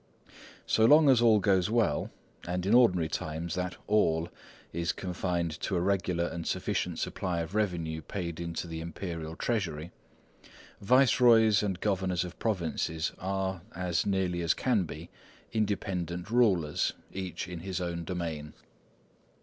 So long as all goes well—and in ordinary times that "all" is confined to a regular and sufficient supply of revenue paid into the Imperial Treasury—viceroys and governors of provinces are, as nearly as can be, independent rulers, each in his own domain.